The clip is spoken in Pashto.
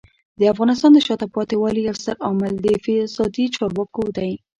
د افغانستان د شاته پاتې والي یو ستر عامل د فسادي چارواکو دی.